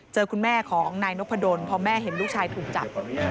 เจอคุณแม่ของนายนกพะดนเพราะแม่เห็นลูกชายถูกจับ